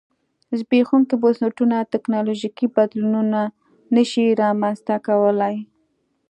زبېښونکي بنسټونه ټکنالوژیکي بدلونونه نه شي رامنځته کولای